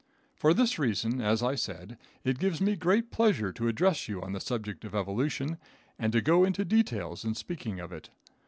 For this reason, as I said, it gives me great pleasure to address you on the subject of evolution, and to go into details in speaking of it.